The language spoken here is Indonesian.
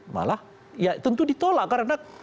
malah ya tentu ditolak karena